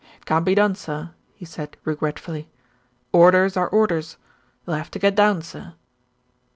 "It can't be done, sir," he said, regretfully. "Orders are orders. You'll have to get down, sir."